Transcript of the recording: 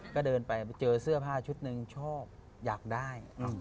ก็เดินไปเจอเสื้อผ้าชุดหนึ่งชอบอยากได้